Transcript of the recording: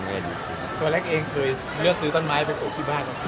ตัวเล็กเองเคยเลือกซื้อต้นไม้เป็นโอกที่บ้านเหรอ